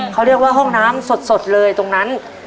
เขาเรียกว่าห้องน้ำสดเลยตรงนั้น